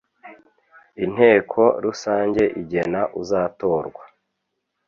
inteko rusange igena uzatorwa.